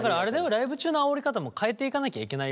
ライブ中のあおり方も変えていかなきゃいけないよ。